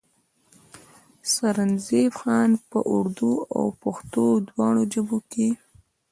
سرنزېب خان پۀ اردو او پښتو دواړو ژبو کښې